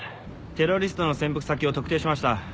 テロリストの潜伏先を特定しました。